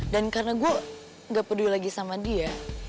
dan karena gue gak peduli lagi sama dia